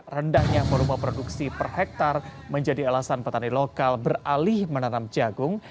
rendahnya volume produksi per hektare menjadi alasan petani lokal beralih menanam jagung